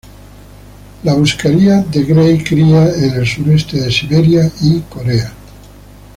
La buscarla de Gray cría en el sureste de Siberia y Corea.